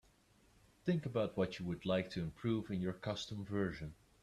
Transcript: Think about what you would like to improve in your custom version.